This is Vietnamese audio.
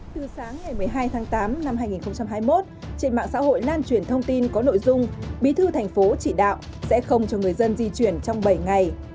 từ sáng ngày một mươi hai tháng tám năm hai nghìn hai mươi một trên mạng xã hội lan truyền thông tin có nội dung bí thư thành phố chỉ đạo sẽ không cho người dân di chuyển trong bảy ngày